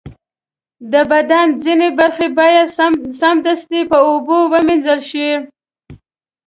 د بدن ځینې برخې باید سمدستي په اوبو ومینځل شي.